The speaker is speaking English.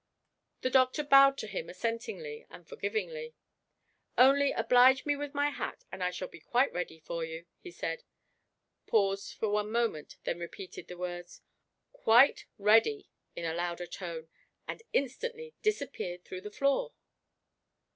The doctor bowed to him assentingly and forgivingly. "Only oblige me with my hat, and I shall be quite ready for you," he said paused for one moment, then repeated the words, "Quite ready," in a louder tone and instantly disappeared through the floor!